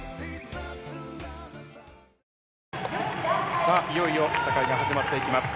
さあ、いよいよ戦いが始まっていきます。